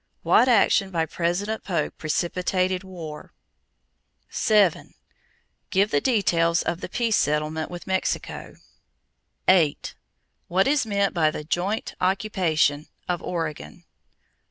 What action by President Polk precipitated war? 7. Give the details of the peace settlement with Mexico. 8. What is meant by the "joint occupation" of Oregon?